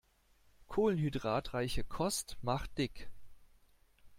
Kohlenhydratreiche Kost macht dick.